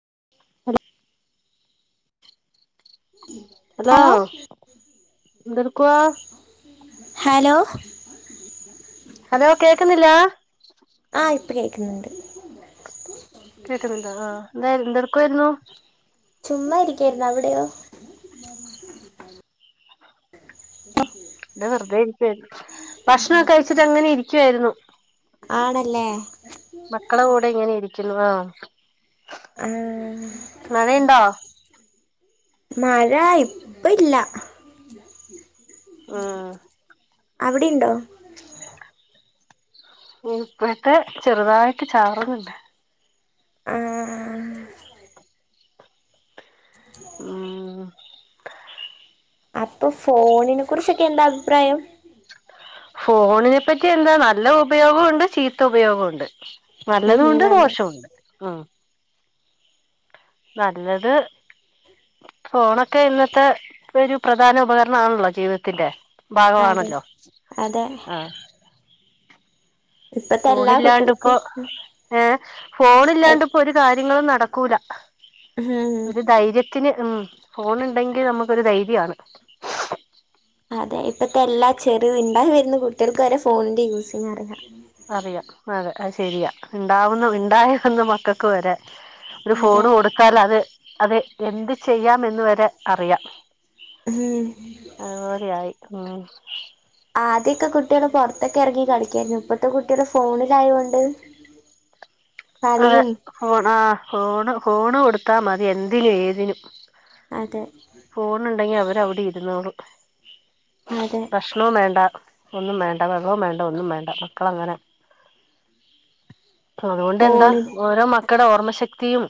[unintelligible] Hello എന്തെടുക്കുവ hello hello കേക്കുന്നില്ല ആ ഇപ്പൊ കേൾക്കുന്നുണ്ട് കേക്കുന്നുണ്ടോ ആഹ് എന്താ എന്തെടുക്കുവായിരുന്നു ചുമ്മാ ഇരിക്കായിരുന്നു അവിടെയോ ഉ ഇവിടെ വെറുതെ ഇരിക്കുവായിരുന്നു. ഭക്ഷണൊക്കെ കഴിച്ചിട്ട് അങ്ങനെ ഇരിക്കുവായിരുന്നു ആണല്ലേ മക്കളെ കൂടെ ഇങ്ങനെ ഇരിക്കുന്നു ആ ആ നനയുണ്ടോ മഴ ഇപ്പില്ല ഉം അവിടെയുണ്ടോ ഇപ്പഴത്തെ ചെറുതായിട്ട് ചാറ്ന്ന്ണ്ട് ആഹ് ഉം അപ്പൊ ഫോണിനെ കുറിച്ചൊക്കെ എന്താ അഭിപ്രായം ഫോണിനെ പറ്റി എന്താ നല്ല ഉപയോഗോം ഇണ്ട് ചീത്ത ഉപയോഗോം ഇണ്ട് ഉം ഉം നല്ലതുണ്ട് അതെ ദോഷോണ്ട് ഉം നല്ലത് ഫോണൊക്കെ ഇന്നത്തെ ഒരു പ്രധാന ഉപകരണാണല്ലോ ജീവിതത്തിന്റെ അതെ ഭാഗമാണല്ലോ അതെ ആഹ് ഇപ്പത്തെ എല്ലാ ഫോണില്ലാണ്ട് ഇപ്പൊ കുട്ടികൾക്കും ഏഹ് ഫോൺ ഇല്ലാണ്ട് ഉം ഇപ്പോ ഒരു കാര്യങ്ങളും നടക്കൂല ഒരു ധൈര്യത്തിന് ഉം ഫോണുണ്ടെങ്കിൽ നമുക്ക് ഒരു ധൈര്യാണ് അതെ ഇപ്പഴത്തെ എല്ലാ ചെറു ഇണ്ടായി വര്ണ കുട്ടികൾക്ക് വരെ ഫോണിന്റെ യൂസിങ്ങറിയാ അ ശരിയാ. ഇണ്ടാവ്ന്ന ഇണ്ടായിവന്ന മക്കക്ക് വരെ ഒരു അതെ ഫോൺ കൊട്ത്താലത് അത് എന്ത് ചെയ്യാമെന്ന് വരെ അറിയാം ഉം ഏഴരയായി ഉം ആദ്യൊക്കെ കുട്ടികള് പൊറത്തൊക്കെ എറങ്ങി കളിക്കായിരുന്നു. ഇപ്പത്തെ കുട്ടികള് ഫോണിലായോണ്ട് [inaudible] അതെ കളിയും ഫോൺ ആ ഫോൺ ഫോൺ കൊടുത്താ മതി എന്തിനും ഏതിനും അതെ ഫോണുണ്ടെങ്കി അവരവിടെ ഇരുന്നോളും അതെ ഭക്ഷണവും വേണ്ട ഒന്നും വേണ്ട വെള്ളവും വേണ്ട ഒന്നും വേണ്ട മക്കളങ്ങനെ. [unintelligible] ണ്ടെന്താ ഫോണിൽ ഓരോ മക്കടെ ഓർമ്മ ശക്തിയും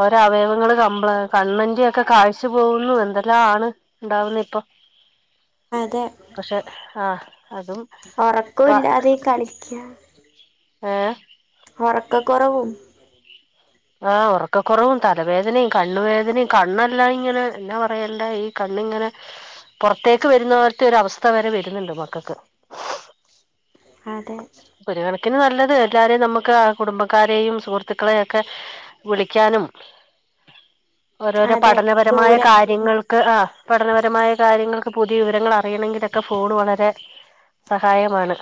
ഓരോ അവയവങ്ങള് കംപ്ലയി കണ്ണിന്റെ ഒക്കെ കാഴ്ച പോകുന്നു എന്തെല്ലാ ആണ് ഉണ്ടാവുന്നത് ഇപ്പൊ അതെ പക്ഷെ ആ അതും ഉറക്കം ഇപ്പൊ ഇല്ലാതെ കളിക്ക ഏഹ് ഒറക്കക്കുറവും ആ ഒറക്കക്കുറവും തലവേദനയും കണ്ണുവേദനയും കണ്ണെല്ലാം ഇങ്ങനെ എന്നാ പറയണ്ടെ ഈ കൺ ണ്ണിങ്ങനെ പൊറത്തേക്ക് വര്ന്ന പോലത്തെ ഒരു അവസ്ഥ വരെ വരുന്നുണ്ട് മക്കക്ക് അതെ ഒരു കണക്കിന് നല്ല എല്ലാരെയും നമുക്ക് കുടുംബക്കാരെയും സുഹൃത്തുക്കളെയും ഒക്കെ വിളിക്കാനും ഓരോരോ അതെ പഠനപരമായ ദൂരെ ഉം. കാര്യങ്ങൾക്ക് ആ പഠനപരമായ കാര്യങ്ങൾക്ക് പുതിയ വിവരങ്ങൾ അറിയണെങ്കിലൊക്കെ ഫോണ് വളരെ സഹായമാണ്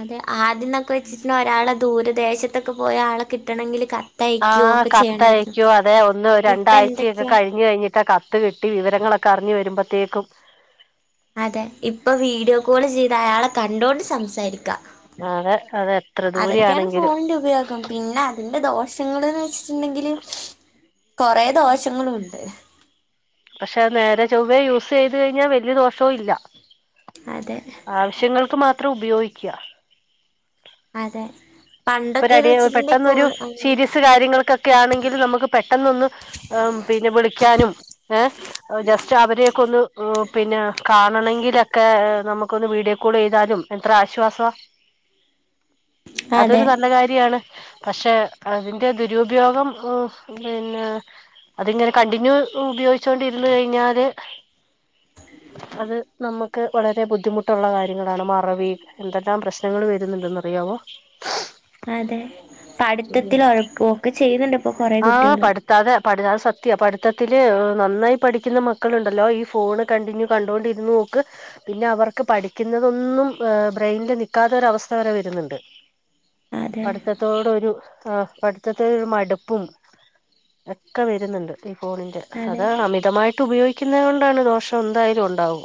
അതെ ആദ്യംന്നൊക്കെ വെച്ചിച്ച്നാ ഒരാള് ദൂരദേശത്തൊക്കെ പോയ ആളെ കിട്ടണെങ്കില് കത് ആ കത്തയക്കുവോ അതോ ഒന്ന് ഇപ്പൊ രണ്ടാഴ്ചയൊക്കെ എന്തൊക്കെയാ കഴിഞ്ഞ് കഴിഞ്ഞിട്ട് കത്ത് കിട്ടി വിവരങ്ങളൊക് ക്കറിഞ്ഞു വരുമ്പോത്തേക്കും അതെ ഇപ്പൊ വീഡിയോ കോള് ചെയ്ത് അയാളെ കണ്ടോണ്ട് സംസാരിക്കാ അതെ അതെ എത്ര അതൊക്കെയാണ് ദൂരെയാണെങ്കിലും ഫോണിന്റെ ഉപയോഗം പിന്നെ അതിന്റെ ദോഷങ്ങളും ച്ച്ണ്ടെങ്കില് കൊറെ ദോഷങ്ങളൂണ്ട് പക്ഷെ നേരെ ചൊവ്വെ യൂസ് ചെയ്ത് കഴിഞ്ഞാൽ വല്യ ദോഷവും ഇല്ല അതെ ആവശ്യങ്ങൾക്ക് മാത്രം ഉപയോഗിക്കുക. അതെ ഇപ്പൊ പണ്ടൊക്കെന്ന് വെച്ചിട്ടുണ്ടെ പെട്ടെന്നൊരു കോള് സീരിയസ് കാര്യങ്ങൾക്കൊക്കെ ആണെങ്കിൽ നമുക്ക് പെട്ടെന്നൊന്ന് പിന്നെ വിളിക്കാനും ജസ്റ്റ്‌ അവരെയൊക്കെ ഒന്ന് പിന്നെ കാണണെങ്കിലൊക്കെ നമുക്കൊന്ന് വീഡിയോ കോൾ ചെയ്താലും എത്ര ആശ്വാസ അതൊരു അതെ നല്ല കാര്യാണ്. പക്ഷെ അതിന്റെ ദുരുപയോഗം പിന്നെ.. അതിങ്ങനെ കണ്ടിന്യൂസ് ഉപയോഗിച്ചോണ്ടിരുന്ന് കഴിഞ്ഞാല് അത് നമ്മുക്ക് ക്ക് വളരെ ബുദ്ധിമുട്ടുള്ള കാര്യങ്ങളാണ് മറവി എന്തെല്ലാം പ്രശ്നങ്ങൾ വരുന്നുണ്ടെന്ന് അറിയാമോ? അതെ പഠിത്തത്തിൽ ഒഴപ്പൊക്കെ ചെയ്യുന്നുണ്ട് ഇപ്പോ കുറെ ആഹ് കുട്ടികള് പഠിത്താതെ പഠി അത് പഠിത്തത്തില് നന്നായി പഠിക്കുന്ന മക്കളുണ്ടല്ലോ ഈ ഫോണ് കണ്ടിന്യൂ കണ്ണ്ടോണ്ടിരുന്ന് നോക്ക് പിന്നെ അവർക്ക് പഠിക്കുന്നതൊന്നും ബ്രെയിനിൽ നിൽക്കാത്തൊരു അവസ്ഥ വരെ വരുന്നുണ്ട് അതെ പഠിത്തത്തോട് ഒരു ആ പഠിത്തത്തോട് ഒരു മടുപ്പും ഒക്കെ വരുന്നുണ്ട് ഈ ഫോണിന്റെ അതെ അത് അമിതമായിട്ട് ഉപയോഗിക്ക ക്കുന്ന കൊണ്ടാണ് ദോഷം എന്തായാലും ഉണ്ടാവും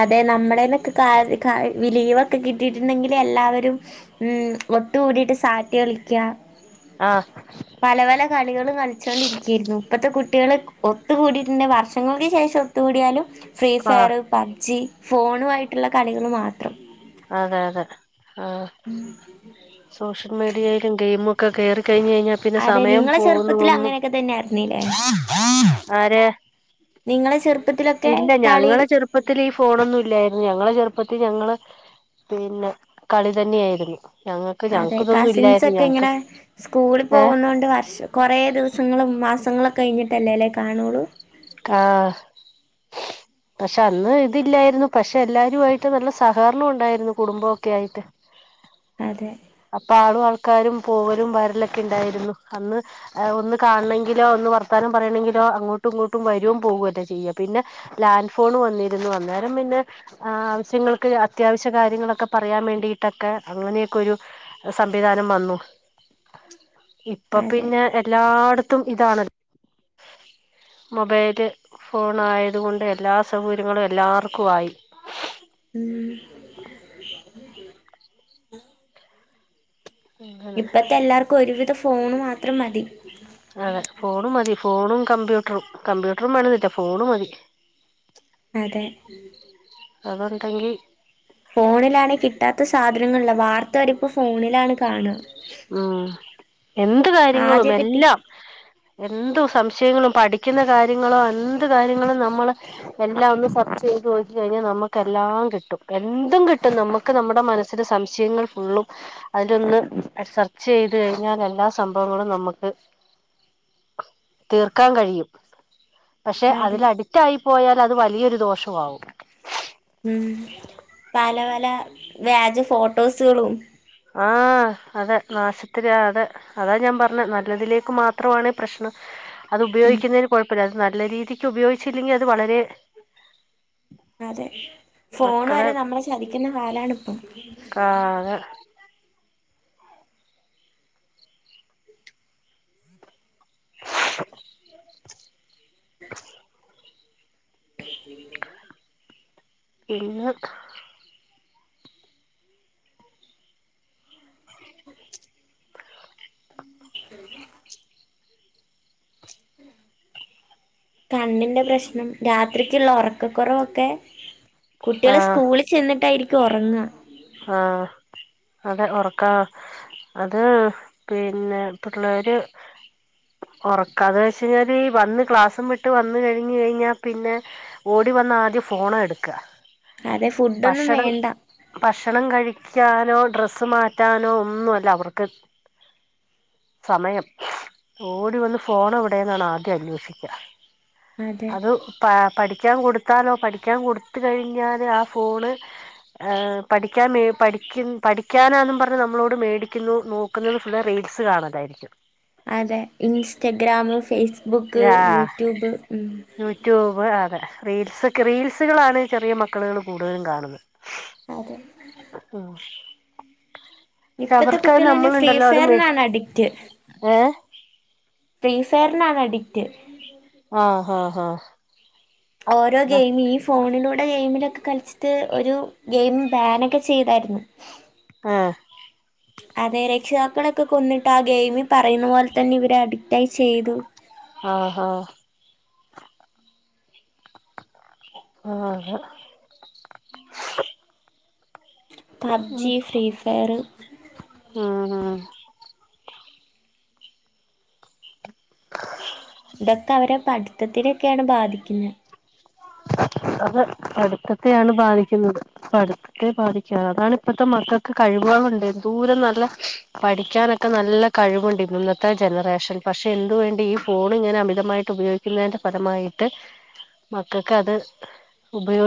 അതെ നമ്മടനൊക്കെ വിലീവൊക്കെ കിട്ടിയിട്ടുണ്ടെങ്കിൽ എല്ലാവരും ഉ ഒത്ത് കൂഡീട്ട് സാറ്റ്കൾക്യ! ആഹ് പല പല കളികളും കളിച്ചോണ്ടിരിക്യയ്‌രിക്കും ഇപ്പത്തെ കുട്ട കുട്ട്യാള് ഒത്തുകൂഡീറ്റ്ണ്ടേ വർഷങ്ങൾക്ക് ശേഷം ഒത്തുകൂഡിയാലും ഫ്രീ ആഹ് ഫയറും പബ്ജി ഫോണു ആയിട്ടുള്ള കളികള് മാത്രം അതെ അതെ ആ സോഷ്യൽ മീഡിയയിലും ഗെയിമൊക്കെ കേറി കഴിഞ്ഞയ്‌ഞ പിന്നെ പിന്നെ അതെ സമയം നിങ്ങളെ ചെറുപ്പത്തിൽ പോവുന്നതൊന്നും അങ്ങനെയൊക്കെ തന്നെ ആയിരുന്നില്ലേ ആരെ നിങ്ങളെ ചെർ ഇല്ല ഞങ്ങളെ ചെറുപ്പത്തിൽ ഈ ഫോണൊന്നും ഇല്ലായിരുന്നു ഞങ്ങളെ ചെറുപ്പ പ്പത്തി ഞങ്ങള് പിന്നെ കളി തന്നെയായിരുന്നു ഞങ്ങൾക്ക് അതെ ഞങ്ങക്ക് ഇതൊന്നും ഇല്ലായിരുന്നു കസിൻസൊക്കെ ഞങ്ങക്ക് ഇങ്ങനെ സ്കൂളിൽ ഏഹ് പോകുന്നതോണ്ട് വർഷ കൊറേ ദിവസങ്ങളും മാസങ്ങളൊക്കെ കഴിഞ്ഞിട്ടല്ലേ ല്ലെ കാണോളു? ആഹ പക്ഷെ അന്ന് ഇതില്ലായിരുന്നു പക്ഷെ എല്ലാരുഅയിട്ട് നല്ല സഹകരണം ഉണ്ടായിരുന്നു കുടുംബക്കെ ആയിട്ട്! അതെ അപ്പൊ ആറു വർഷ ക്കാരും പോവലും വരലൊക്കെ ണ്ടായിരുന്നു അന്ന് ഒന്ന് കാണെങ്കിലോ ഒന്ന് വർത്താനം പറയണെങ്കിലോ, അങ്ങോട്ടു ഇങ്ങട്ട് പ്പം വരും പോവല്ലേ ചെയ്യ പിന്നെ ലാൻ ഫോൺ വന്നിരുന്നു അന്നേരം പിന്നെ ആവുശ്യങ്ങൾക്ക് ത്യ അത്യാവശ്യ കാര്യങ്ങളൊക്കെ പറയാ വേണ്ടിട്ടൊക്കെ അങ്ങനെക്കെരു സംവിധാനം വന്നു ഇപ്പൊ അതെ പിന്നെ എല്ലാടത്തും ഇതാണല്ലോ മൊബൈല് ഫോണയതുകൊണ്ട് എല്ലാ സൗകര്യങ്ങളും എല്ലാർക്കുഅയി ഉം അങ്ങനെ പ്പത്തെ എല്ലാർക്കും ഒരുവിധം ഫോണ് മാത്രം മതി അതെ ഫോണും മതി ഫോണു കമ്പ്യൂട്രും കമ്പ്യൂടർ വേണോന്നില്ല ഫോണ് മതി അതെ അതോണ്ടങ്കി ഫോണിലണെ കിട്ടാത്ത സാധനളില്ല വാർത്തരെപ്പോ ഫോണിലാണ് കാണുക ഉം എന്ത് കാര്യങ്ങളും ആദ്യൊക്കെ ടി എല്ലാം എന്തു സംശയങ്ങളും പഠിക്കുന്ന കാര്യങ്ങളോ എന്ത് കാര്യങ്ങളും നമ്മള് എല്ലാഒന്ന് സർച്ചെയ്ത് നോകികഴിഞ്ഞ നമ്മെക്കെല്ലാം കിട്ടും എന്തും കിട്ടും നമുക്ക് നമ്മുടെ മനസിൽ സംശയങ്ങൾ ഫുള്ളും അതിന്റ ഒന്ന് അ സെർചെയ്ത് കഴിഞ്ഞാൽ എല്ലാ സംഭവങ്ങളും നമ്മുക്ക് തീർക്കാൻ കഴിയും പക്ഷെ അതെ അതിലഡിറ്റായി പോയാൽ അത് വലിയൊരു ദോഷവാവും ഉം പല വല വ്യാജ ഫോട്ടോസുകളും ആ അതെ നാശത്തില് അതെ അതാ ഞാ പറഞ്ഞെ നല്ലതിലേക്ക് മാത്രണേ പ്രശ്ന അത് ഉം ഉപയോഗിക്കുന്നെന് കൊഴപ്പല്ല അത് നല്ല രീതിക്ക് ഉപയോയിച്ചില്ലെങ്കി അത് വളരെ അതെ ഫോൺ മക്കളെ വരെ നമ്മളെ ചതിക്കുന്ന കാലാണ്പ്പൊ കാതെ [inaudible] [inaudible] പിന്നെ [inaudible] കണ്ണിന്റെ പ്രശ്നം രാത്രിക്ള്ള ഉറക്കക്കുറവൊക്കെ കുട്ട്യാള് സ്കൂളി ചെന്നിട്ടായിരിക്കും ഉറങ്ങ ആ അതെ ഉറക്കാ അത് പിന്നെ പിള്ളേര് ഓറക്കാന്ന് വെച്ചയ്‌ഞ്ഞാല് വന്ന് ക്ലാസും വിട്ട് വന്ന് കഴിഞ്ഞയ്‌ഞ്ഞാൽ പിന്നെ ഓടി വ ന്ന് ആദ്യം ഫോണാട്ക്ക അതെ ഫുഡോന്നും വേണ്ട ഭക്ഷണം കഴിക്കാനോ ഡ്രസ്സ് മാറ്റാനോ ഒന്നുല്ല അവർക്ക് സമയം ഓടി വന്ന് ഫോണ് എവിടെന്നാണ് ആദ്യം അന്വേഷിക്കുക അതെ അത് പ പഠി ക്കാൻ കൊടുത്താലോ പഠിക്കാൻ കൊടുത്ത് കഴിഞ്ഞാൽ ആ ഫോണ് ഏ പഠിക്കാൻ മേ പഠിക്ക പഠിക്കാനാെന്നും പറഞ്ഞ് നമ്മളോട് മേടിക്കുന്നു നോക്കുന്നത് ഫുള്ള് റീൽസ് കാണതാ മിച്ചു അതെ ഇൻസ്റ്റഗ്രാമും ഫേസ് ഇതാ യൂട്യൂബ് അതെ റീൽസ്ക്കെ റീൽസുകളാണ് ചെറിയ മക്കളുകൾ കൂടുതലും കാണുന്നത് അതെ ഉം ഇപ്പത്തെ കുട്ടികൾന്നെ ഫ്രീ ഫയറിനാണ് അഡിക്റ്റ് ഏ ഫീ ഫയർനാണ് അഡക്റ്റ് ആഹ് ആഹ് ആഹ് ഓരോ ഗെയിം ഈ ഫോണിന് ഇവിടെ ഗെയിമിലൊക്കെ കളിച്ചിട്ട് ഒരു ഗെയിം ബാനൊക്കെ ചെയ്തായിരുന്നു അതെ രക്ഷിതാ ക്കളൊക്കെ കൊന്നിട്ട് ആ ഗെയിമിൽ പറയുന്ന പോലെ തന്നെ ഇവരെ അഡിക്റ്റായി ചെയ്തു ആഹ് ആഹ് ആ പബ് ജി ഫ്രീ ഫയർ ഉം ഉം ആ ഇതൊക്കെ അവരെ പഠിത്തത്തിനൊക്കെയാണ് ബാധിക്കുന്നത് [unintelligible] അത് പഠിത്തത്തെയാണ് ബാധിക്കുന്നത് പഠിത്തത്തെ ബാധിക്കുക അതാണ് ഇപ്പത്തെ മക്കൾക്ക് കഴി ണ്ട് ദൂര നല്ല പഠിക്കാനൊക്കെ നല്ല കഴിവുണ്ട് ഇന്നത്തെ ജനറേഷൻ പക്ഷെ എതു വണ്ടി ഈ ഫോൺ ഇങ്ങനെ അമിതമായിട്ട് ഉപയോഗിക്കുന്നതിന്റെ ഫലമായിട്ട് മക്കൾക്ക് അത് ഉപയൊ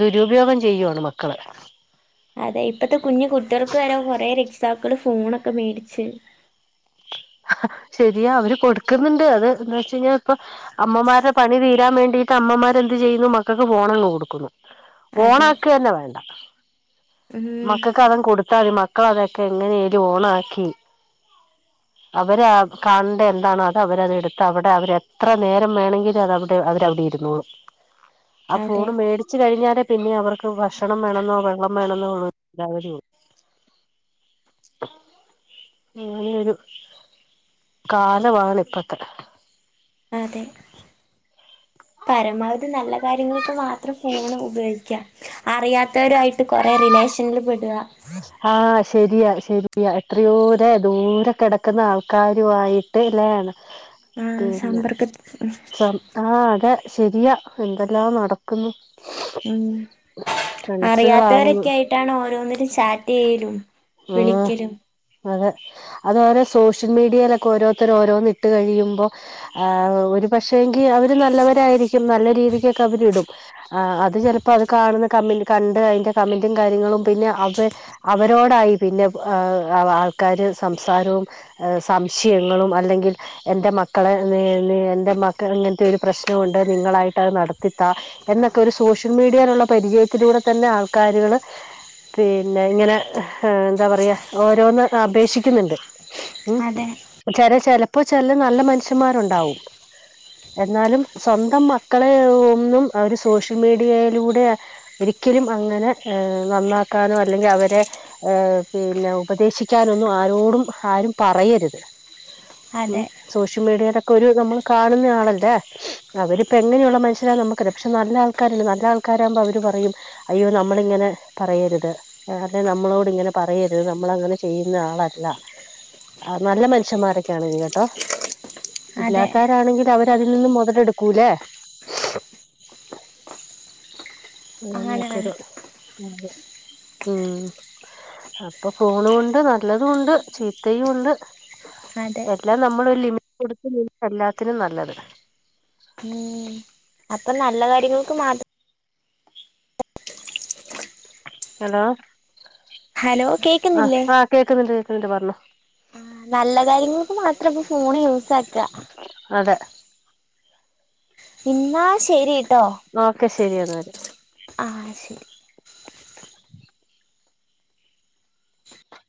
ദുരുപയോഗം ചെയ്യുവാണ് മക്കള് അതെ ഇപ്പത്തെ കുഞ്ഞു കുട്ടികൾക്ക് വരാ കൊറെ രക്താക്കള് ഫോണൊക്കെ മേടിച്ചു ശെരിയാ അവര് കൊടുക്കുന്നുണ്ട് അത് എന്ന് വെച്ച് കഴിഞ്ഞാൽ ഇപ്പൊ അമ്മമാരുടെ പണി തീരാൻ വേണ്ടി ട്ട് അമ്മമാർ എന്ത് ചെയ്യുന്നു മക്കൾക്ക് പോണങ്ങ് കൊടുക്കുന്നു അതെ ഓണാക്കതന്നെ വേണ്ട ഉം മക്കൾക്ക് അതങ്ങ് കൊടുത്താൽ പിന്നെ മക്കളതൊക്കെ എങ്ങനെ ലും ഓണാ ക്കി അവര് കാണണ്ട എന്താണോ അത് അവരത് എന്താണോ എടുത്ത് അവിടെ അവര് എത്ര നേരം വേണമെങ്കിലും അതവിടെ അവര് കണ്ടിരുന്നോളും ആ അതെ ഫോണ് മേടിച്ചു കഴിഞ്ഞാൽ പിന്നെ അവർക്ക് ഭക്ഷണം വേണെന്നോ വെള്ളം വേണെന്നോന്താാവള്ളൂ ആ അതൊരു കാലമാണ് ഇപ്പത്തെ അതെ പരമാവധി നല്ല കാര്യങ്ങൾക്ക് മാത്രം ഫോൺ ഉപയോഗിക്കാം അറിയാത്തവരുായിട്ട് കൊറേ ലേഷനിൽ പെടുക ആഹ് ശരിയാണ് ശരിയാണ് എത്രയോര ദൂരം കെിടക്കുന്ന ആൾക്കാരുമായിട്ട് എല്ലാണ് ആ പിന്നെ സമ്പർക്കത്തി ആഹ് അതെ ശരിയാ എന്തെല്ലാം നടക്കുന്നു ഉം ഫ്രണ്ട്സുകളാകുന്നു അറിയാത്തവരൊക്കെ ആയിട്ടാണ് ഓരോന്നിലും ചാറ്റ് ചെയലും ആഹ് വിളിക്കലും അതെ അതുപോലെ സോഷ്യൽ മീഡിയയിലൊക്കെ ഓരോരുത്തരും ഓരോന്ന് ഇട്ട് കഴിയുമ്പോ ഒരു പക്ഷെങ്കി അവര് നല്ലവരായിരിക്കും നല്ല രീതിക്കക്കെ അവരിടും അത് ചിലപ്പോ അത് കാണുന്ന കണ്ട് അതിന്റെ കമന്റും കാര്യങ്ങളും പിന്നെ അവ അവരോടായി പിന്നെ ആൾക്കാർ സംസാരവും സംശയങ്ങളും അല്ലെങ്കിൽ എ മക്കളെ നി നി എന്റെ മക്കള് ഇ ങ്ങനത്തെ ഒരു പ്രശ്നണ്ട് നിങ്ങളായിട്ട്ത് നടത്തിത്ത എന്നൊക്കെ സോഷ്യൽ മീഡിയയിലുള്ള പരിചയത്തിലൂടെ തന്നെ ആൾക്കാരുകൾ പിന്നെ ഇങ്ങനെ എന്താ പറയാ ഓരോന്ന് അപേക്ഷിക്കുന്നുണ്ട് ഉ അതെ ചില ചിലപ്പോ ചില നല്ല മനുഷ്യന്മാരുണ്ടാവും എന്നാലും സ്വന്തം മക്കളെ ഒന്നും അവര് സോഷ്യൽ മീഡിയയിലൂടെ ഒരി ഒരിക്കലും അങ്ങനെ നന്നാക്കാനും അല്ലെങ്കിൽ അവരെ ഏ പിന്നെ ഉപദേശിക്കാനൊന്നും ആരോടും ആരും പറയരുത് ഉം അതെ സോഷ്യൽ മീഡിയ തൊക്കെ ഒരു നമ്മൾ കാണുന്ന ആളല്ലേ അവരിപ്പ എങ്ങനെയുള്ള മൻ ശരാന്ന് നമുക്കഅറിയോ പക്ഷെ നല്ല ആൾക്കാരണ്ട് നല്ല ആൾക്കാരുമ്പോ അവര് പറയും അയ്യോ നമ്മള ഇങ്ങനെ പറയരുത് അല്ലെ നമ്മളോട് ഇങ്ങനെ പറയരുത് നമ്മൾ അങ്ങനെ ചെയ്യുന്ന ആളല്ല ആ നല്ല മനുഷ്യന്മാരൊക്കെ ആണെങ്കിൽ കേട്ടോ അതെ ഇല്ലാത രാണെങ്കിൽ അവ അതിൽനിന്ന് മൊതല്ടുക്കൂലേ ആണാണ് അങ്ങനെയൊക്കെരു ഉം അപ്പൊ ഫോണുംകൊണ്ട് നല്ലതും ഉണ്ട് ചീത്തയും ഉണ്ട് അതെ എല്ലാം നമ്മളല്ലേ കൊടുത്ത് നി എല്ലാത്തിനും നല്ലത് ഉം അപ്പൊ നല്ല കാര്യങ്ങൾക്ക് മാത്രം ഹലോ ഹലോ കേക്കുന്നില്ലേ ആആകേക്കുന്നുണ്ട് കേക്കുന്നുണ്ട് പറഞ്ഞോ ആ നല്ല കാര്യങ്ങൾക്ക് മാത്രപ്പം ഫോണ് യൂസ് ആക്കാ അതെ ഇന്ന ശരി ഒക്കെ ശെരിയന്ന എന്നാല് ആ ശരി